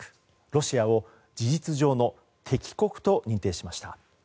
ロシアを事実上の敵国と認定しました。